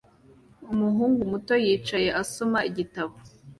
Umuhungu muto yicaye asoma igitabo